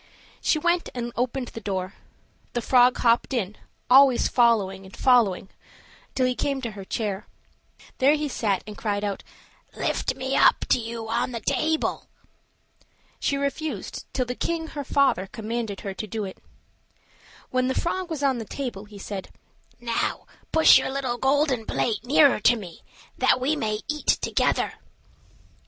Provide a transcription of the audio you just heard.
She went and opened the door; the frog hopped in, always following and following her till he came up to her chair. There he sat and cried out, "Lift me up to you on the table." She refused, till the king, her father, commanded her to do it. When the frog was on the table, he said, "Now push your little golden plate nearer to me, that we may eat together."